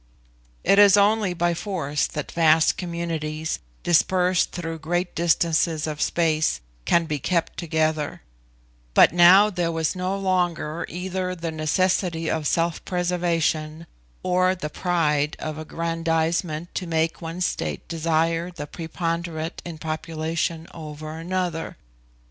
It is only by force that vast communities, dispersed through great distances of space, can be kept together; but now there was no longer either the necessity of self preservation or the pride of aggrandisement to make one state desire to preponderate in population over another.